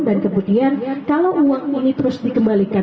dan kemudian kalau uang ini terus dikembalikan